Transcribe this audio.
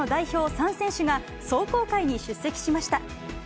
３選手が、壮行会に出席しました。